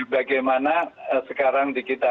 bagaimana sekarang di kita